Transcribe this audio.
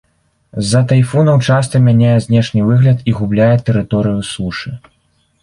З-за тайфунаў часта мяняе знешні выгляд і губляе тэрыторыю сушы.